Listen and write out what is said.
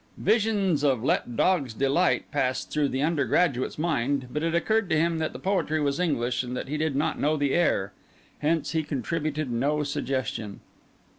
Visions of "Let dogs delight" passed through the undergraduate's mind; but it occurred to him that the poetry was English and that he did not know the air. Hence he contributed no suggestion.